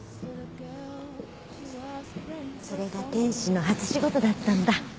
それが天使の初仕事だったんだ。